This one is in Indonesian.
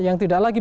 yang tidak lagi